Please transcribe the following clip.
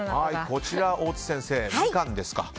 こちら、大津先生ミカンですか。